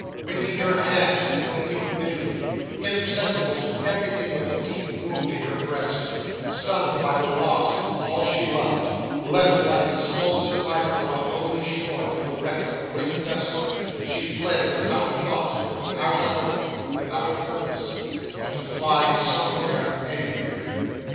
Wringing her hands and weeping bitterly, insensible to everything but the deep wound in her breast, stunned by the loss of all she loved, left like the sole survivor on a lonely shore from the wreck of a great vessel, she fled without a thought, without a hope, without a purpose, but to fly somewhere anywhere.